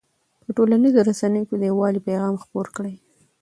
په ټولنیزو رسنیو کې د یووالي پیغام خپور کړئ.